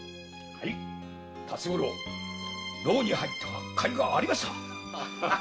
この辰五郎牢に入った甲斐がありました。